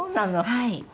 はい。